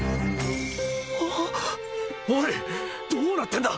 おいどうなってんだ！